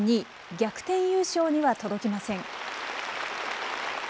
逆転優勝には届きません。